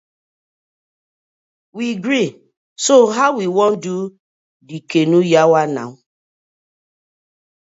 We gree, so how we wan do de canoe yawa naw?